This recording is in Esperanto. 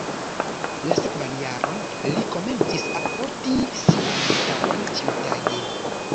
La sekvan jaron, li komencis alporti sian gitaron ĉiutage.